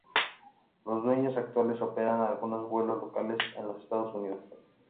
Los dueños actuales operan algunos vuelos locales en los Estados Unidos.